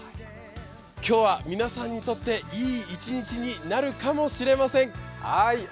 今日は皆さんにとって、いい一日になるかもしれません。